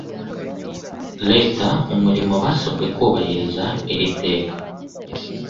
Leta umurimo basabwe kubahiriza iri teka